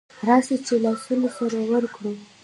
راسئ چي لاسونه سره ورکړو